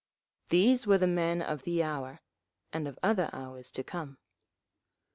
These were the men of the hour—and of other hours to come.